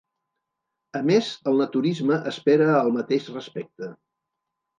A més el naturisme espera el mateix respecte.